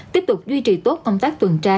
tiếp tục duy trì tốt công tác tuần tra